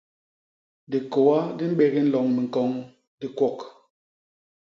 Dikôa di mbégi nloñ miñkoñ, di kwok.